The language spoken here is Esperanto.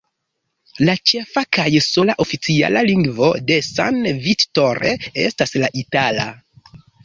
La ĉefa kaj sola oficiala lingvo de San Vittore estas la itala.